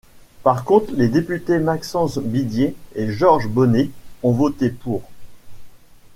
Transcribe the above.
Par contre les députés Maxence Bibié et Georges Bonnet ont voté pour.